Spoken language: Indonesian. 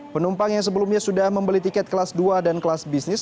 penumpang yang sebelumnya sudah membeli tiket kelas dua dan kelas bisnis